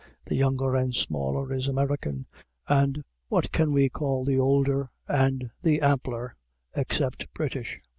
The younger and the smaller is American and what can we call the older and the ampler except British?